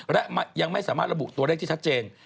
และยังไม่สามารถระบุตัวเลขที่ชัดเจน